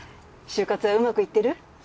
就活はうまくいってる？